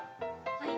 はい。